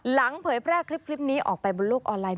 เผยแพร่คลิปนี้ออกไปบนโลกออนไลน์